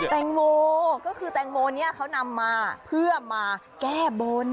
แตงโมก็คือแตงโมเนี่ยเขานำมาเพื่อมาแก้บน